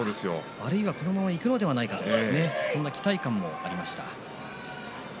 あるいは、このままいくのではないかとそんな期待感もありました。